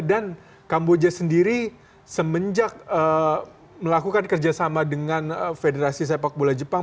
dan kamboja sendiri semenjak melakukan kerjasama dengan federasi sepak bola jepang